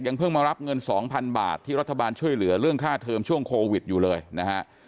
เพิ่งมารับเงิน๒๐๐๐บาทที่รัฐบาลช่วยเหลือเรื่องค่าเทิมช่วงโควิดอยู่เลยนะฮะ